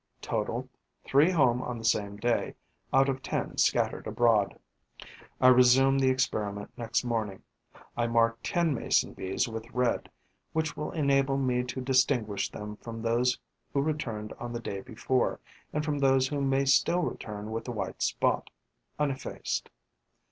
Total: three home on the same day, out of ten scattered abroad. I resume the experiment next morning. I mark ten Mason bees with red, which will enable me to distinguish them from those who returned on the day before and from those who may still return with the white spot uneffaced.